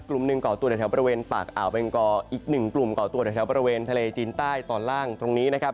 กลุ่มหนึ่งก่อตัวในแถวบริเวณปากอ่าวเบงกออีกหนึ่งกลุ่มก่อตัวแถวบริเวณทะเลจีนใต้ตอนล่างตรงนี้นะครับ